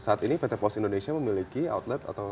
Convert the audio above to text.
saat ini pt pos indonesia memiliki outlet atau